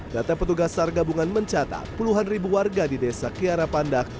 data petugas sargabungan mencatat puluhan ribu warga di desa kiara pandak